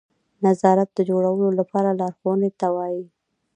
نظارت د جوړولو لپاره لارښوونې ته وایي.